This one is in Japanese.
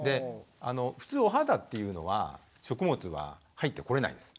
普通お肌っていうのは食物は入ってこれないんです。